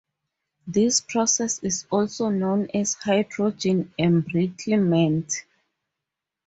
This process is also known as hydrogen embrittlement.